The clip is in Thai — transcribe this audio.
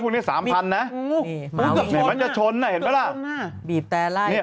เนี้ยสามพันนะนี่มันจะชนอ่ะเห็นไหมล่ะบีบแต่ไล่เนี่ย